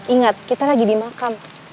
ingat kita lagi di makam